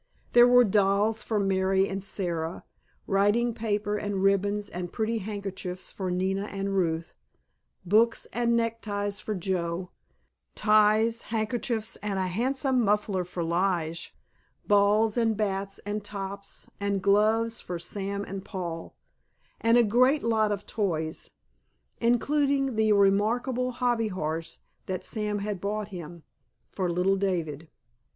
There were dolls for Mary and Sara, writing paper and ribbons and pretty handkerchiefs for Nina and Ruth, books and neckties for Joe, ties, handkerchiefs and a handsome muffler for Lige, balls and bats and tops and gloves for Sam and Paul, and a great lot of toys, including the remarkable hobby horse that Sam had bought him, for little David.